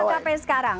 bagaimana kkp sekarang